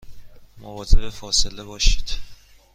مواظب فاصله باشید